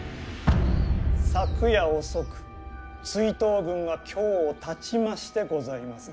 昨夜遅く追討軍が京をたちましてございます。